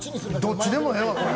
どっちでもええわ！